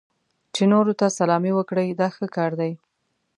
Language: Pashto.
چې نورو ته سلامي وکړئ دا ښه کار دی.